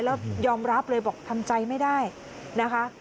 แล้วยอมรับเลยบอกทำใจไม่ได้นะคะ